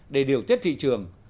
để điều tiết thị trường